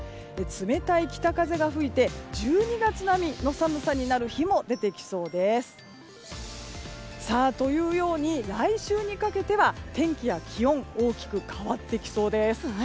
冷たい北風が吹いて１２月並みの寒さになる日も出てきそうです。というように、来週にかけては天気や気温大きく変わってきそうです。